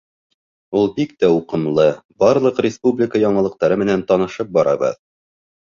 Ул бик тә уҡымлы, барлыҡ республика яңылыҡтары менән танышып барабыҙ.